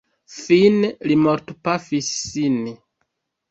Fine li mortpafis sin.